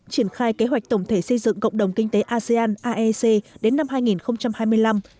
triển khai kế hoạch tổng thể xây dựng cộng đồng kinh tế asean aec đến năm hai nghìn hai mươi năm